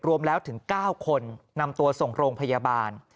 รวมแล้วถึง๙คนนำตัวส่งโรงพยาบาล